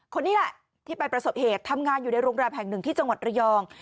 คนนี้แหละที่ไปประสบเหตุทำงานอยู่ในโรงแรมแห่งหนึ่งที่จังหวัดระยอง